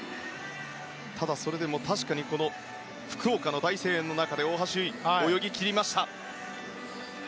それでも確かに福岡の大声援の中で大橋悠依、泳ぎ切りました。